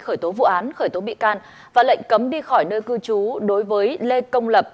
khởi tố vụ án khởi tố bị can và lệnh cấm đi khỏi nơi cư trú đối với lê công lập